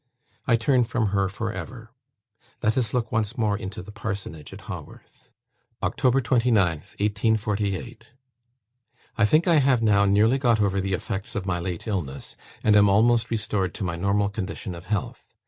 I turn from her for ever. Let us look once more into the Parsonage at Haworth. "Oct. 29th, 1848. "I think I have now nearly got over the effects of my late illness, and am almost restored to my normal condition of health.